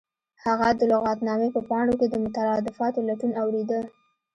هغه د لغتنامې په پاڼو کې د مترادفاتو لټون اوریده